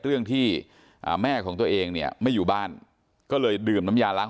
เรื่องที่แม่ของตัวเองเนี่ยไม่อยู่บ้านก็เลยดื่มน้ำยาล้าง